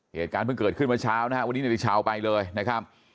เหตุการณ์เพิ่งเกิดขึ้นเมื่อเช้านะครับวันนี้นาฬิชาวไปเลยนะครับ